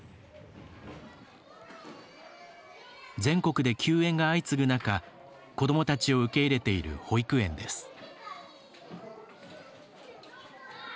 全国で休園が相次ぐ中子どもたちを受け入れている保育園です。